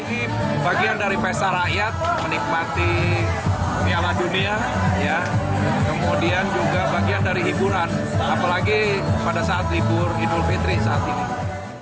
ini bagian dari pesta rakyat menikmati piala dunia kemudian juga bagian dari hiburan apalagi pada saat libur idul fitri saat ini